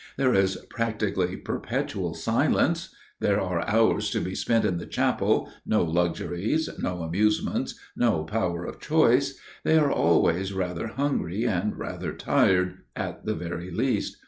There is practically perpetual silence, there are hours to be spent in the chapel, no luxuries, no amusements, no power of choice, they are always rather hungry and rather tired, at the very least.